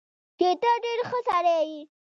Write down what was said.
چې تۀ ډېر ښۀ سړے ئې